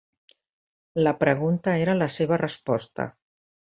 La pregunta era la seva resposta.